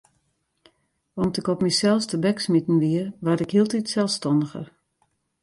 Om't ik op mysels tebeksmiten wie, waard ik hieltyd selsstanniger.